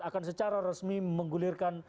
akan secara resmi menggulirkan